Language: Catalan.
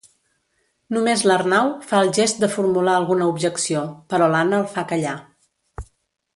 Només l'Arnau fa el gest de formular alguna objecció, però l'Anna el fa callar.